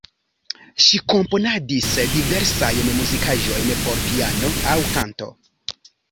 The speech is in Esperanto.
Ŝi komponadis diversajn muzikaĵojn por piano aŭ kanto.